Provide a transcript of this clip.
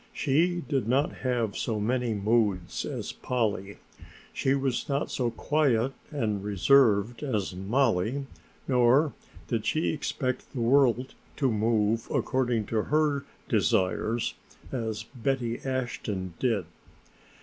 She did not have so many moods as Polly, she was not so quiet and reserved as Mollie, nor did she expect the world to move according to her desires, as Betty Ashton did.